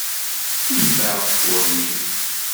Yenfeε ugeffur-nni.